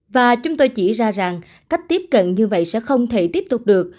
và chúng tôi chỉ ra rằng cách tiếp cận như vậy sẽ không thể tiếp tục được